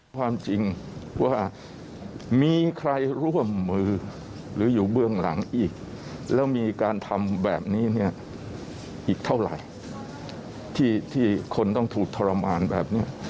ความจริงว่ามีใครร่วมมือหรืออยู่เบื้องหลังอีกแล้วมีการทำแบบนี้เนี่ยอีกเท่าไหร่ที่คนต้องถูกทรมานแบบนี้